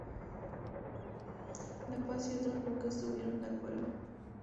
La Paz y otros nunca estuvieron de acuerdo.